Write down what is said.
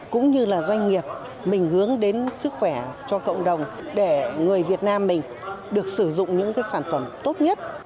cũng như là doanh nghiệp mình hướng đến sức khỏe cho cộng đồng để người việt nam mình được sử dụng những sản phẩm tốt nhất